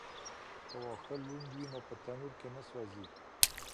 که واښه لوند وي نو په تنور کي نه سوځي.